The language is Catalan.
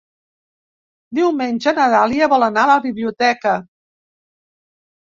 Diumenge na Dàlia vol anar a la biblioteca.